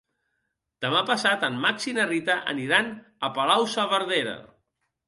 Demà passat en Max i na Rita aniran a Palau-saverdera.